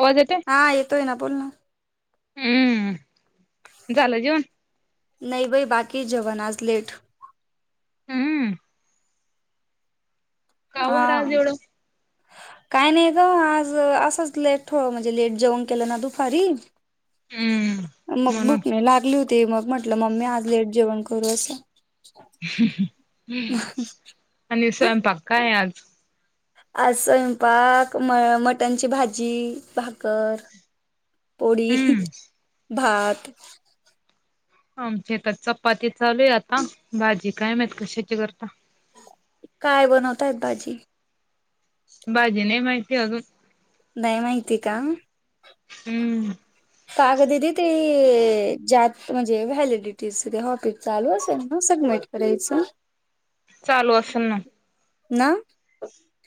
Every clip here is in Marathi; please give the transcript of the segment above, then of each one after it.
आवाज येतोय? हा येतोय ना बोल ना हम्म झालं जेवन नाही बाई बाकी जेवण आज लेट हम्म का हा बरं आज एवढ काय नाही ग आज असच लेट हो म्हणजे लेट जेवण केलं ना दुपारी हम्म मग म्हणून भूक नाही लागली होती मग म्हटलं मम्मी आज लेट जेवण करून असं आणि स्वयंपाक काय आज आज स्वयंपाक मटन ची भाजी भाकर पोळी हम्म भात आमच्याता चपाती चालू आहे आता भाजी कायमत कशाची करता काय बनवताय भाजी भाजी नाही माहिती अजून काय माहिती का हम्म काग दिदी ते ज्यात म्हणजे व्हॅलिडिटी हॉपिस चालू असेल ना सगळ नाही करायचं चालू असेल ना ना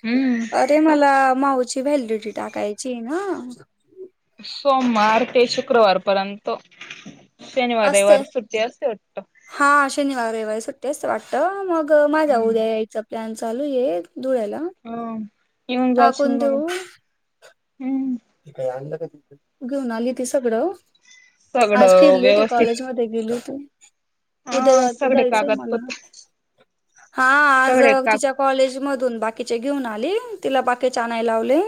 हम्म अरे मला माऊ त्याची व्हॅलेडी टी टाकायची ना सोमवार ते शुक्रवार पर्यंत शनिवार असते रविवार सुट्टी असते वाटतं रविवार सुट्टी असते वाटतं. मग माझा हम्म उद्या यायचा प्लॅन चालूये, धुळ्याला. हा येऊन जाशील टाकून म काय आणलं का [unintelligible] घेऊन आली ती सगळं. [unintelligible] आज सगळं फिरले होते व्यवस्थित कॉलेजमध्ये, गेली होती. उद्या हा जाय सगळे जायचंय मला. कागदपत्र हा आज सगळे काग तिच्या कॉलेज मधून बाक कीचे घेऊन आली. तिला बाकीचे आणायला लावले.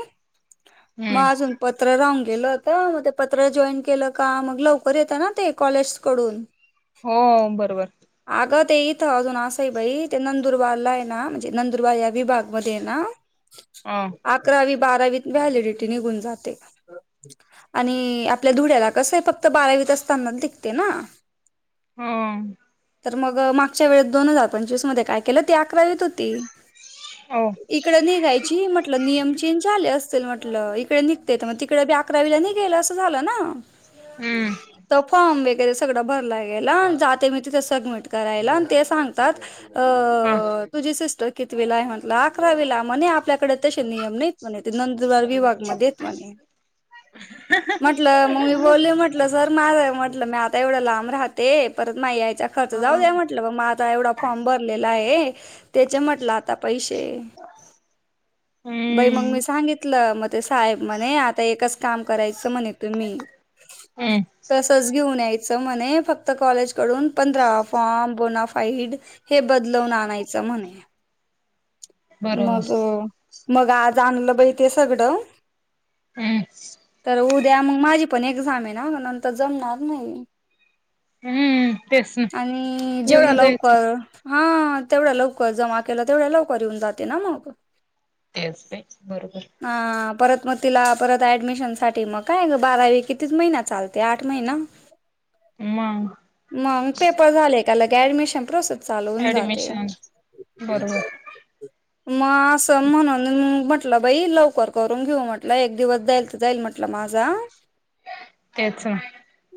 हम्म मग अजून पत्र राहू गेलं होत. मग ते पत्र जॉईन केलं का? मग लवकर येतं ना ते, कॉलेजस कडून. हो बरोबर. अगं, ते इथं अजून असं बाई, ते नंदुरबारलाय ना, म्हणजे नंदुरबार या विभागमध्येय ना अ अकरावी- बारावीत व्हॅलिडिटी निघून जाते. आणि आपल्या धुड्याला कसंय, फक्त बारावीत असताना दिघते ना. हम्म. तर मग, मागच्या वेळेत दोन हजार पंचवीस मध्ये काय केलं अकरावीत होती. ओ इकड निघायची, म्हटल नियम चेंज झाले असतील. म्हट टलं इकडे निघते. मग तिकडे बी अकरावीला निघेल, असं झालं ना. हम्म [unintelligible] त फॉर्म बी वगैरे सगळं भरला गेला न, जाते मी तिथे सबमिट करायला आण ते सांगतात अ हा तुझी सिस्ट र कितविला म्हटल, अकराविला. म्हने आपल्याकड तसे नियम नाही म्हणे ते नंतर धुळे विभाग मध्येेयत म्हणे. म्हटलं, मग मी बोलले म्हटलं सर, [unintelligible] म्हटलं मी आ एवढं लांब राहते. परत माई त्या खर्च हा जाऊ द्या. म्हटलं ब मग आता एवढा फॉर्म भरलेलाये जा त्याचे म्हटलं आता पैसे बाई, मग हम्म मी सांगितलं. मग ते साहेब म्हणे, आता एकच काम करायचं. म्हणे तुम्ही. हम्म तसच घेऊन याय सर म्हने फक्त कॉलेज कडून पंधरा फॉर्म, बोनाफाईड हे बदलवून आणायच. म्हणे. बरोबर मग, मग आज आणलं बाई ते सगड. हम् [unintelligible] द्या. मग माझी पण एक्झामय ना, म नंतर जमणार नाही. हम्म तेच ना आणि जेवढा येऊन जायचं लवकर हा तेवढ्या लवकर जमा केला, तेवढ्या लवकर येऊन जाते ना मग. तेच [unintelligible] हा. परत मग तिला परत ऍडमिशन साठी, मग काय बारावी कितीच महिना चालते, आठ महिना. मग मग पेपर झाले का लगे ऍडमिशन प्रोसे चालवून जाते. ऍडमिशन बरोबर [unintelligible] म अस म्हन [unintelligible] बाई लवकर करून घेऊ म्हटलं. एक दिवस जाईल तर जाईल म्हटलं माझा. [unintelligible] तेच ना.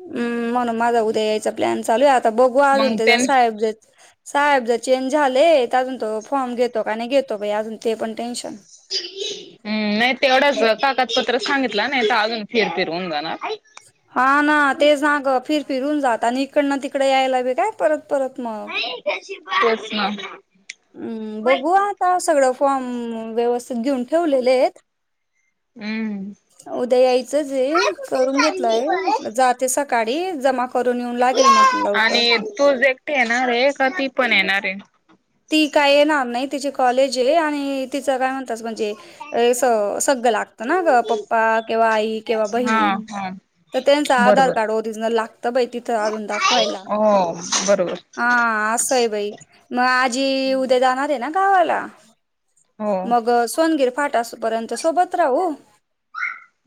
हम्म, म्हणून माझा उद्या यायचा प्लॅन चालूय, आता बघू, अजून मग तेजा त्यां साहेब जर साहेब जर चेंज झाले, अजून तो फॉर्म घेतो, का नाही घेतो. अजून ते पण टेन्शन. [unintelligible] हम्, नाही तेवढाच कागदपत्र सांगितलं नाही तर, अजून फिर फिर होऊन जाणार. हा ना, तेचना ग फिर फिर होऊन जात. आणि इकडन तिकड यायला बी काय परत परत मग [unintelligible] तेच ना. हम्म बघू आता सगळं फॉर्म, व्यवस्थित घेऊन ठेवलेलेयत. हम्म उद्या यायचंच. करून घेतलाय, म्हटलं जाते सकाळी. जमा क [inaudible] आणि तू एकटी येणारय, का? ती पण येणारय? ती काय येणार नाही तिची कॉलेज आहे आणि तिचं काय म्हण म्हणजे सगळं लागत ना ग पप्पा किंवा आई किंवा हा बहीण हा तर त्यांच आधार बरोबर कार्ड ओरिजिनल लागतं बाई तिथं अजून दाखवायला हो बरोबर हा हां आहे बाई मग आज उद्या जाणार आहे ना गावाला हो मग सग टपर्यंत सोबत राहू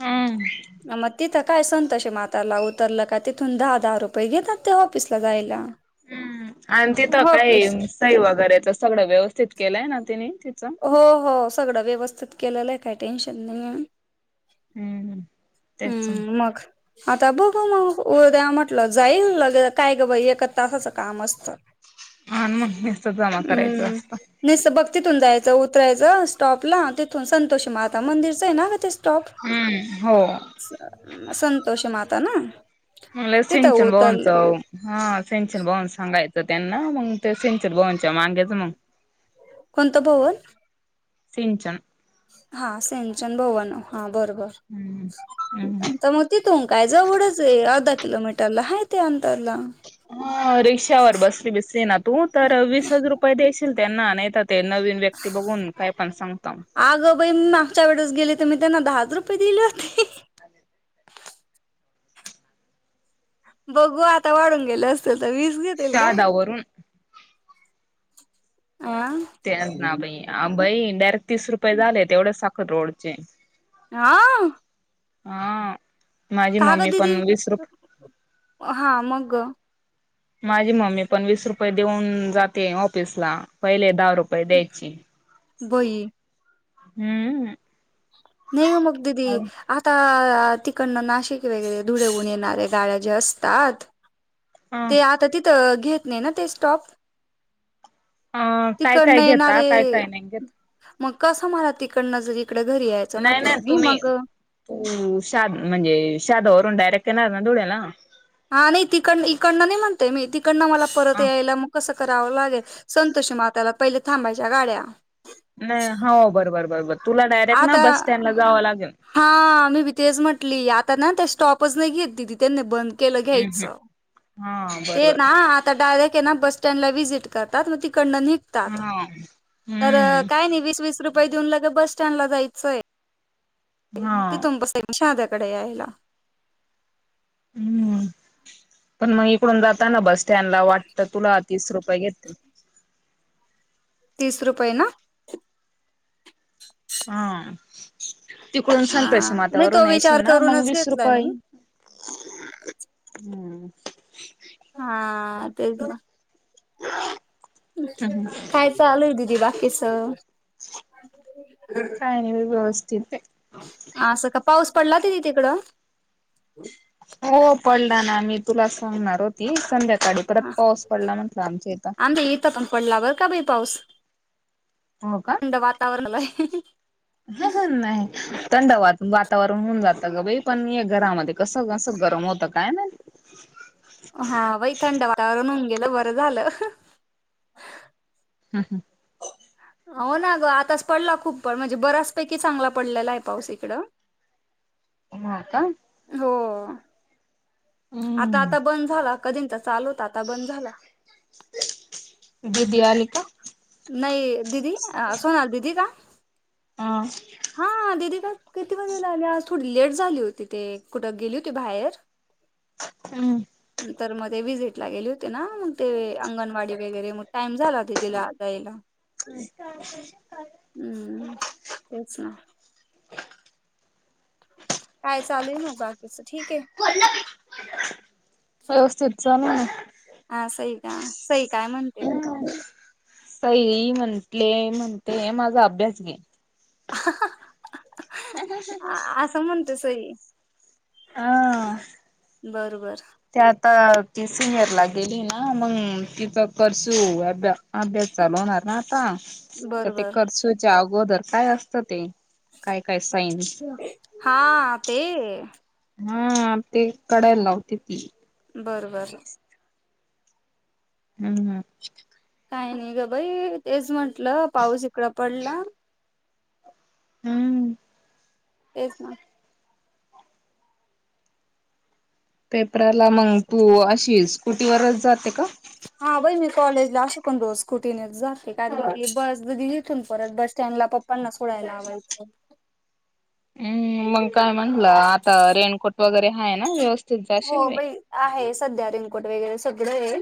हम्म मग तिथ काय संतसे माताराला उतरलं का तिथून दहा दहा रुपये घेतात ते ऑफिसला जायला हम्म आणि तिथं काय ऑफिस सई वगैरेच सगळं व्यवस्थित केलंय ना तिने तिचं हो हो सगळं व्यवस्थित केलेलं आहे काही टेन्शन नाही हम्म तेच हम्म मग आता बघ मग उद्या म्हटलं जाईल ल काय ग बा एका तासाचं काम असतं आणि मग नुसतं जमा करायचं हम्म असतं नाही तर बघते तिथून जायचं उतरायचं स्टॉपला तिथून संतोषी माता मंदिरचं आहे ना का टॉप हम्म हो संतोष माता ना म तिथं संचन उतरलं बवसव हा सेंचन बवन हंगात त्यांना मग ते सिंचर बवनच्या माांग्याच मग कोणतं भवन सेंचन हा सेंचन भवन हा हम्म हम्म बरोबर मग तिथून कायजवढंच अर्धा किलोमीटरला आहे ते अंतरला ह रिक्षावर बसली बिसली ना तू तर वीस हज रुपये दे्याशील त्यांना नाही ते नवीन व्यक्ती बघून काय पण सांगत आमच्या वेळेस गेले तर मी त्यांना दहाच रुपये दिले होते अ बघू आता वाढून गेले असतीलल तर वीस घेेतल काय शहादावरून अ तेच नाई भाई डायरेक्ट तीस रुपये झाले तेवढेच साखल रोडचे हा हा माझी का ग मम्मी पण दिदी वस रुप हा मग माझी मम्मी पण वीस रुपये देऊन जाते ऑफिसला पहिले दहा रुपये द्यायची बई हम्म ने मुगददी आता तिकडनं नाशिक वगैरे धुळेहून येणारे गाड्या जे असतात अ ते आता तिथं घेत नाही ना ते स्टॉप अ काय काय तिकडनं घेता येणारे काय काय नाही घेत मग कस मला तिकडनं जरी नाही नाही तुम्ही तू शा म्हणजे शादावरून डायरेक्ट तेणार ना धळेला हा नाही तिकड इकडनं नाही म्हणते मी तिकडनं मला परत ह यायला मग कसं करावं लागेल संतोष मात्याला पहिले थांबायच्या गाड्या नाही हो बरोबर बरोबर तुला डायरेक्ट ना आता बस स्टँडला जावं लागेल हा मी बितेज म्हण ली आता स्टॉपच नाही घेत त्यां बंद हम्म हा बरोबर ा न निघतात हा तर हम्म काय नाही वीस वस रुपये देऊन लगे ब स्टँड ला जायचंय हा ते तु स शाध्याकडे यायला हम्म पण मग इकडून जाताना बस स्टँडला वाटतं तुला तीस रुपये घेततील तीस रुपये ना हा. तिकडून हा संतोषी नाही तो मात्यावरून येशील विचार ना मग करूनच वीस घेतलाय रुपये. मी. हम्म. हा ते. ह. खायच आलूय दीदी बाकी स काय नाही व्यवस्थित आहे. असं का पाऊस पडला ति तिकडं. हो पडला ना मी तुला सांगणार होती संध्याका गडी परत पाऊस पडला म्हटलं आमच्या इथ. आमच्या इथं पण पडला बरं का बाई पाऊस थंड वातावरणला ह ह नाही थंडवातावरन. वातावरण होऊन जातं ग बाई पण हे घरामध्ये कसं कस गरम होत काय नाई. हा बाई थंड वाटावरून होऊन गेलं बरं झालं. हम् हम्. हो ना ग आताच पडला खूप पण म्हणजे बऱ्याच पैकी चांगला पडलेला आहे पाऊस इकडं. ह का हो आता आता बंद झाला कधी तर चालू होता. आता बंद झाला. ती आली का. नाही दिदी सोनाल दीदी का हा हा दीदी किती वाजेला आले आज थोडी लेट झाली होती ते कुठं गेली होती बाहेर हम्म. तर मध्ये व्हिजिट ला गेले होते ना मग ते अंगणवाडी वगैरे टाइम झाला होता तिला जायला. न हम्म तेच ना. काय चालू ये बाकीच ठीक आहे. सला [inaudible] हा सई का सई काय म्हणते. सई म्हटले म्हणते माझा अभ्यास घे. असं म्हणते सई. हा. बरोबर. ते आता ती सिनियरला गेली ना मग तिचा करसू आभ्यास. अभ्यास चालू होणार ना आता तर ते बरोबर कर्सूच्या अगोदर काय असतं ते काय काय साईन्स. हा ते हा ते कडायला लावते ती. बरं बरं. हम्म हम्म. काही नाही ग बाई तेच म्हंटलं पाऊस इकड पडला. हम्म तेच ना. पेपराला मग तू अशी स्कुटीवरच जाते का. हा बई मी कॉलेजला अस पण रोज स्कुटीने जाते कारण बस घथून परत बस स्टॅनला पप्पांना सोडायला लावायचं. मग काय म्हंलं आता रेनकोट वगैरे हायना व्यवस्थित हो जाशील. बाई आहे सध्या रेनकोट वगैरे सगळ ये.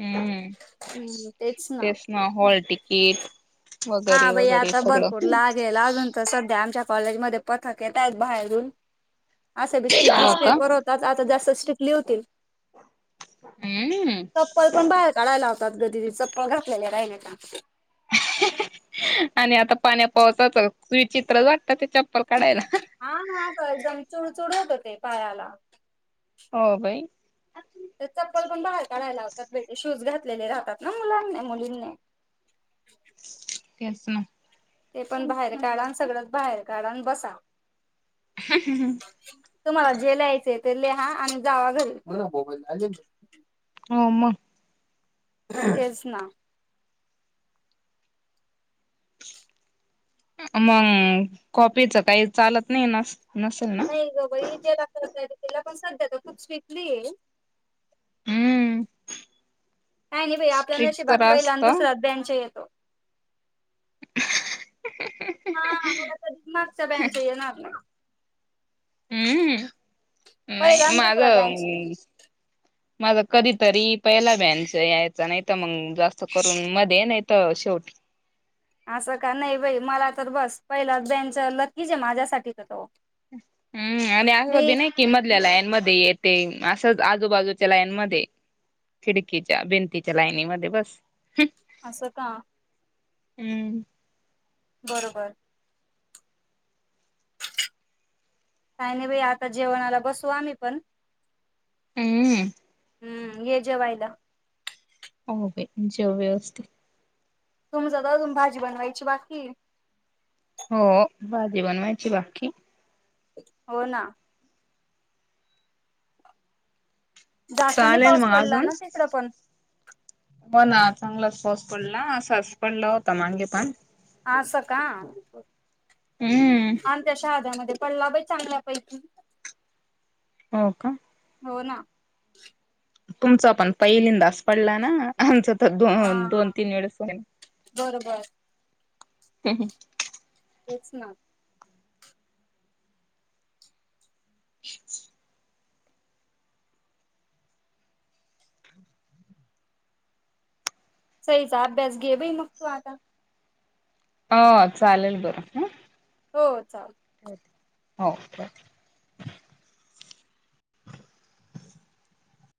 हम्म तेच ना. तेचना हॉल टिकिट. हा बई आता भरपूर लागेल अजून तर सध्या आमच्या कॉलेज म पथक येतय बाहेरून असे बी सिकली हो का स्टेपर होतात आता जास्त हो हम्म चप्पल पण बाहेर काढायला त गती चप्पल घातलेले रा आहे ना का आणि आता पाण्या पावचाच विचित्र जट हा हा एकदम चुडचुड होत हो ते पायाला हो भाई तर चप्पल पण बाहेर काढायला लातात भेट शूज घातलेले राहतात ना मुलांनी मुलींनी [inaudible] तेच ना ते पण बाहेर काढा सगळंच बाहेर काढून बसा [inaudible] तुम्हाला जे लिहायचे ते लिहा आणि जावा घरी होम ेज ना मग कॉपीच काही चालत नाही नास नाही ग बाई जेत तिला पण सध्या का खूप स्विक्टली ये हम्म नाही नाही बा आपल्या स्ट्रिक नशिबात तर पहिला आणि असत दुसरा्याच बँच येतो हा मला कधी मागच्या बँच आहे ना आपला हम्म पहिला नाही आणि दुसरा माझं बेंच [unintelligible] [inaudible] माझा कधीतरी पहिला बॅनच यायचा नाही तर मग जास्त करून मध्ये नाही तर शेवटी [inaudible] असं का नाही बाई मला तर बस पहिलाच बँनच लकीच आहे माझ्यासाठीच त हम्म आणि असी नाही कि मधल्या लायन मध्ये येते असंच आजूबाजूच्या लाईनमध्येध्ये खिडकीच्या भिंतीच्या लाईनीमध्ये बस असं का हम्म बरोबर काही नाही बाई आता जेवणाला बसू आम्ही पण हम्म हम्म हे जेवायला हो का जेव व्यवस्थ तुम ज भाजी बनवायची बाकी हो भाजी बनवायची बाकी हो ना जास्त नाही चालेल पाऊस मग पडला अजून ना तिकडं पण म ना चांगलंचपस्त पडला असस पडला होता मांगेपण अस का हम्म आणि त्याच्या आधार पणला बा चांगल्या पैकी हो का हो ना तुमचा पण पहिलींदाास पडला ना आमचा तर दो हा दोन तीन वेळेस बरोबर हम् ह तेच ना [inaudible] सहीचा बस गे भाई मुख तो आता अ चालेल बरं ह हो चाल हो हो [unintelligible]